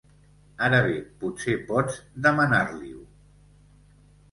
Ara bé, potser pots demanar-li-ho.